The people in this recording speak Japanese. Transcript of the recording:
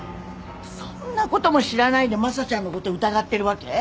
そんな事も知らないで昌ちゃんの事疑ってるわけ！？